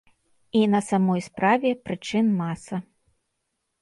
І на самой справе, прычын маса.